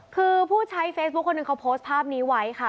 คือผู้ใช้เฟซบุ๊คคนหนึ่งเขาโพสต์ภาพนี้ไว้ค่ะ